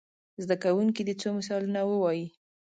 زده کوونکي دې څو مثالونه ووايي.